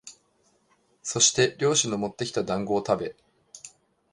そして猟師のもってきた団子をたべ、